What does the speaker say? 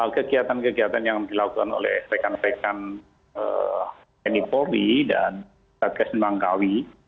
kegiatan kegiatan yang dilakukan oleh rekan rekan nipori dan rakyat kesemangkawi